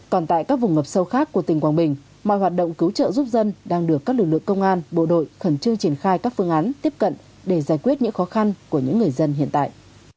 còn tại các vùng ngập sâu khác của tỉnh quảng bình mọi hoạt động cứu trợ giúp dân đang được các lực lượng công an bộ đội khẩn trương triển khai các phương án tiếp cận để giải quyết những khó khăn của những người dân hiện tại